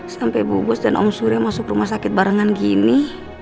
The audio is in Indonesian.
sampai bubus dan om surya masuk rumah sakit barengan gini